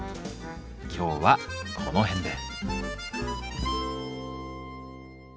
今日はこの辺で。